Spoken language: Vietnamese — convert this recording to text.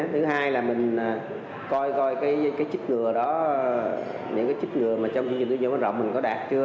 thứ hai là mình coi coi cái chích ngừa đó những cái chích ngừa trong chương trình diễn biến văn rộng mình có đạt chưa